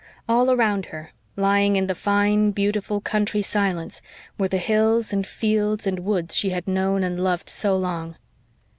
All around her, lying in the fine, beautiful country silence, were the hills and fields and woods she had known and loved so long.